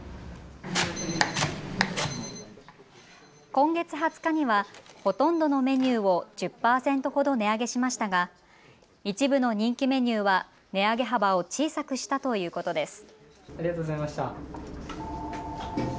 今月２０日にはほとんどのメニューを１０％ほど値上げしましたが一部の人気メニューは値上げ幅を小さくしたということです。